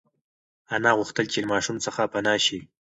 انا غوښتل چې له ماشوم څخه پنا شي.